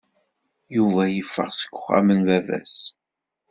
Yuba yeffeɣ seg uxxam n baba-s.